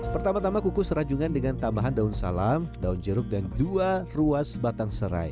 pertama tama kukus ranjungan dengan tambahan daun salam daun jeruk dan dua ruas batang serai